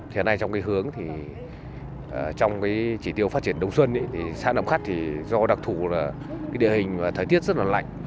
thế này trong cái hướng trong cái chỉ tiêu phát triển đông xuân xã nậm khát do đặc thủ là địa hình và thời tiết rất là lạnh